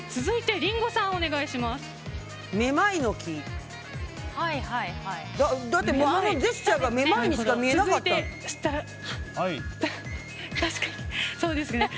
続いて、リンゴさんお願いします。